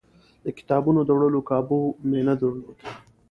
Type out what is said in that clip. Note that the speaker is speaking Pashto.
د کتابونو د وړلو کابو مې نه درلود.